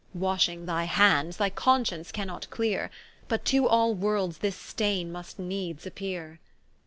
Washing thy hands, thy conscience cannot cleare, But to all worlds this staine must needs appeare.